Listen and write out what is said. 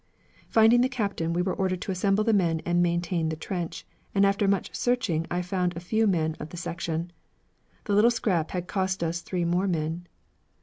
Finding the captain, we were ordered to assemble the men and maintain the trench, and after much searching I found a few men of the section. The little scrap had cost us three more men.